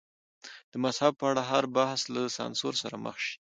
د مذهب په اړه هر بحث له سانسور سره مخ شي.